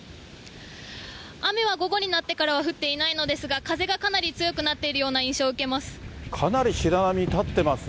雨は午後になってからは降っていないのですが、風がかなり強くなっているような印象を受けます。